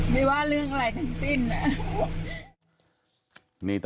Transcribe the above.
นี่ตอนนี้นะครับ